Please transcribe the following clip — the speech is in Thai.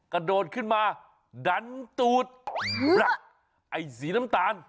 กระโดดขึ้นมาดันตูดปลักไอ้สีน้ำตาล